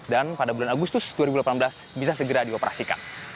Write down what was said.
dan pada bulan agustus dua ribu delapan belas bisa segera dioperasikan